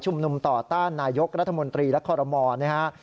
ชุมนุมต่อต้านนายกรัฐมนตรีและคอลโรมอล์นะครับ